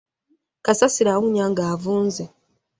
Kasasiro awunya nga avunze.